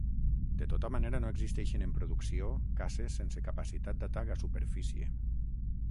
De tota manera no existeixen en producció caces sense capacitat d'atac a superfície.